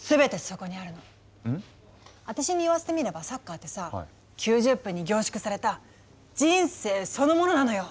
私に言わせてみればサッカーってさ９０分に凝縮された人生そのものなのよ。